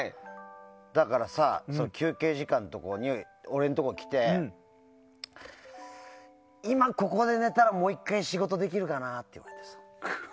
だからさ休憩時間に俺のところに来て今ここで寝たらもう１回仕事ができるかなって言ったんです。